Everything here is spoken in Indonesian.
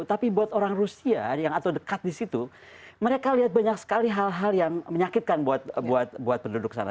tapi buat orang rusia yang atau dekat di situ mereka lihat banyak sekali hal hal yang menyakitkan buat penduduk sana